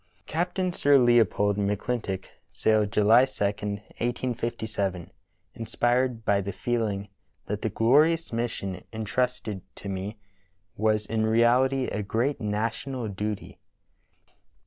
Captain Sir Leopold McClintock sailed July 2, 1857, inspired by the feeling that "the glorious mission in trusted to me was in reality a great national duty."